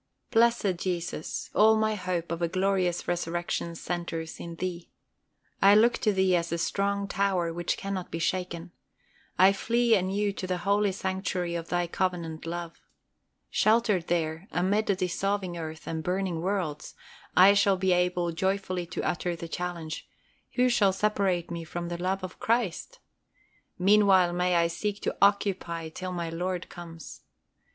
Blessed Jesus, all my hope of a glorious resurrection centres in Thee. I look to Thee as the strong tower which cannot be shaken. I flee anew to the holy sanctuary of Thy covenant love. Sheltered there, amid a dissolving earth, and burning worlds, I shall be able joyfully to utter the challenge, "Who shall separate me from the love of Christ?" Meanwhile may I seek to "occupy" till my Lord comes.